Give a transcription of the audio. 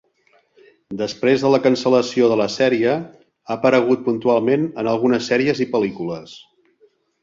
Després de la cancel·lació de la sèrie, ha aparegut puntualment en algunes sèries i pel·lícules.